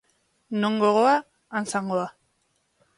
Non gogoa, han zangoa.